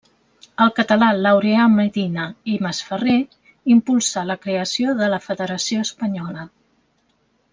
El català Laureà Medina i Masferrer impulsà la creació de la Federació Espanyola.